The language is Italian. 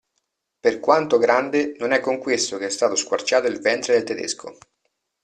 Per quanto grande, non è con questo che è stato squarciato il ventre del tedesco.